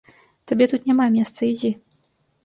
Табе тут няма месца, ідзі!